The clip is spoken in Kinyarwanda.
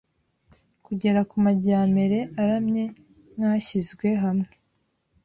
kugera ku majyamere aramye nk'ashyizwe hamwe